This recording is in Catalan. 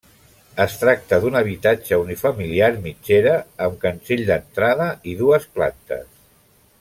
Es tracta d'un habitatge unifamiliar mitgera, amb cancell d'entrada i dues plantes.